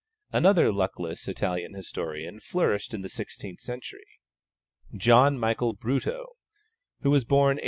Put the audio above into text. Another luckless Italian historian flourished in the sixteenth century, John Michael Bruto, who was born A.